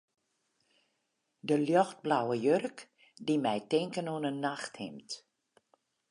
De ljochtblauwe jurk die my tinken oan in nachthimd.